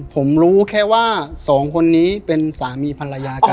ผมรู้แค่ว่าสองคนนี้เป็นสามีภรรยากัน